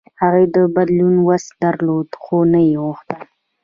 هغوی د بدلون وس درلود، خو نه یې غوښتل.